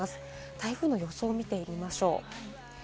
台風の予想を見てみましょう。